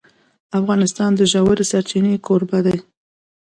افغانستان د ژورې سرچینې کوربه دی.